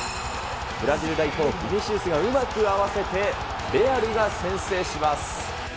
ブラジル代表、ビニシウスがうまく合わせて、レアルが先制します。